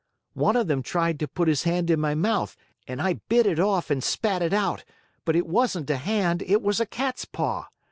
One of them tried to put his hand in my mouth and I bit it off and spat it out; but it wasn't a hand, it was a cat's paw.